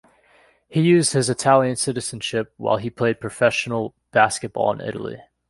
He used his Italian citizenship, while he played professional basketball in Italy.